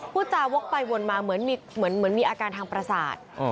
พูดจาวกไปวนมาเหมือนมีอาการทางประสาท